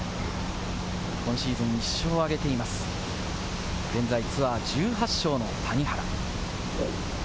今シーズン１勝を挙げています、現在ツアー１８勝の谷原。